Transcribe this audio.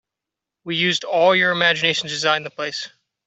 We used all your imgination to design the place.